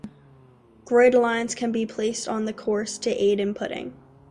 Grid lines can be placed on the course to aid in putting.